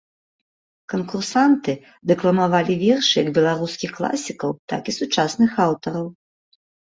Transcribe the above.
Канкурсанты дэкламавалі вершы як беларускіх класікаў, так і сучасных аўтараў.